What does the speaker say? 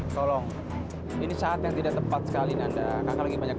sampai jumpa di video selanjutnya